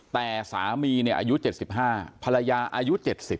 แต่สามีอายุ๗๕ภรรยาอายุ๗๐